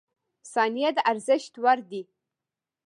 • ثانیې د ارزښت وړ دي.